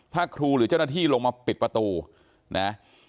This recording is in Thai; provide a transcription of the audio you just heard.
ถ้าครูหรือเจ้าหน้าที่ลงมาปิดประตูนะ